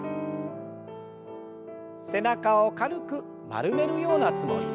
背中を軽く丸めるようなつもりで。